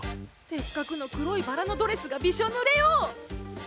せっかくの黒いバラのドレスがびしょぬれよ！